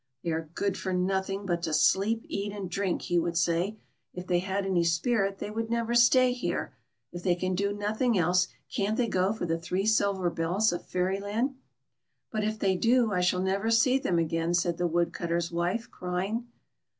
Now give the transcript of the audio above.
" They are good for nothing, but to sleep, eat, and drink," he would say. " If they had any spirit, they would never stay here. If they can do nothing else, can't they go for the three silver bells of Fairyland .'"" But if they do, I shall never see them again," said the Woodcutter's wife, crying.